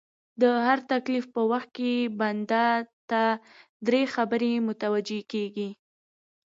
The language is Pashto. د هر تکليف په وخت کي بنده ته دری خبري متوجې کيږي